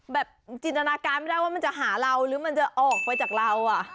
จินตนาการไม่ได้ว่ามันจะหาเราหรือมันจะออกไปจากเรา